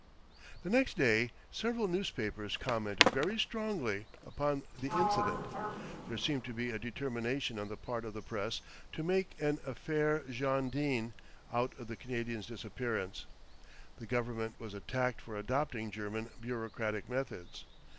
The next day several newspapers commented very strongly upon the incident. There seemed to be a determination on the part of the press to make an "affaire John Dene" out of the Canadian's disappearance. The Government was attacked for adopting German bureaucratic methods.